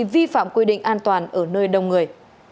vi phạm quy định an toàn ở nơi đông người